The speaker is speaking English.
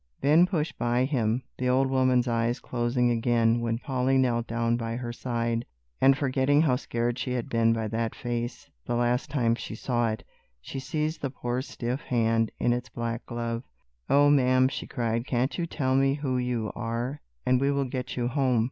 Ben pushed by him, the old woman's eyes closing again, when Polly knelt down by her side, and forgetting how scared she had been by that face the last time she saw it, she seized the poor stiff hand in its black glove. "Oh, ma'am," she cried, "can't you tell me who you are, and we will get you home?"